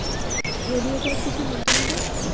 Radio type কিছু নেই তোমাদের?